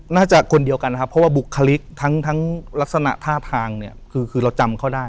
น่าจะคนเดียวกันนะครับเพราะว่าบุคลิกทั้งลักษณะท่าทางเนี่ยคือเราจำเขาได้